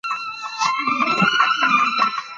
که ناول وي نو وخت نه اوږدیږي.